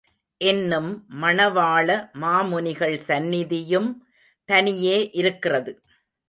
இன்னும் மணவாள மாமுனிகள் சந்நிதியும் தனியே இருக்கிறது.